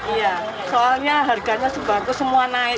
iya soalnya harganya sebagus semua naik